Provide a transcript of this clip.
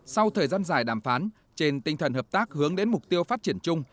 sau thời gian dài đàm phán trên tinh thần hợp tác hướng đến mục tiêu phát triển chung